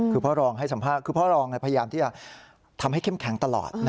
คือพ่อรองพยายามที่จะทำให้เข้มแข็งตลอด